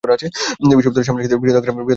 বিদ্যালয়ের সামনে একটি বৃহদাকার খেলার মাঠ আছে।